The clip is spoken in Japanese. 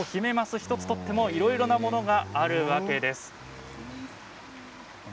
１つ取ってもいろいろなものがありますね。